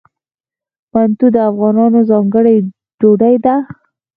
منتو د افغانانو ځانګړې ډوډۍ ده.